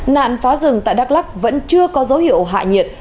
nạn phá rừng tại đắk lắc vẫn chưa có dấu hiệu hạ nhiệt